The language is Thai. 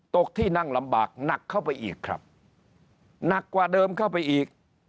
ที่นั่งลำบากหนักเข้าไปอีกครับหนักกว่าเดิมเข้าไปอีก